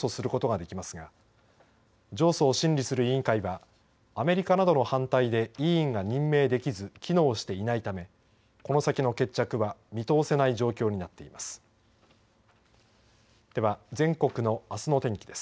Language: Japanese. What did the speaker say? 小委員会の判断に不服がある場合は上訴することができますが上訴を審理する委員会はアメリカなどの反対で委員が任命できず機能していないためこの先の決着は見通せない状況になっています。